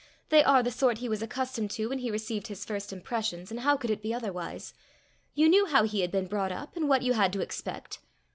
They are the sort he was accustomed to when he received his first impressions, and how could it be otherwise? You knew how he had been brought up, and what you had to expect!"